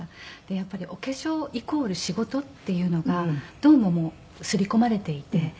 やっぱりお化粧イコール仕事っていうのがほとんどすり込まれていて。